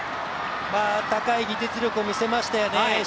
高い技術力を見せましたよね。